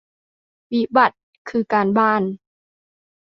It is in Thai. วิบัติคือการบ้าน